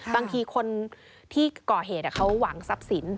บางทีคนที่ก่อเหตุเขาหวังทรัพย์สิน